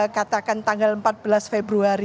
katakan tanggal empat belas februari